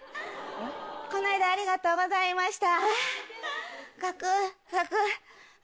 この間ありがとうございました。